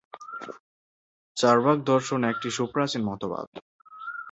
চার্বাক দর্শন একটি সুপ্রাচীন মতবাদ।